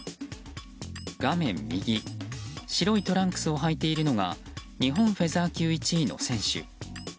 画面右白いトランクスをはいているのが日本フェザー級１位の選手。